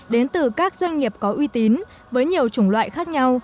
đến từ các doanh nghiệp có uy tín với nhiều chủng loại khác nhau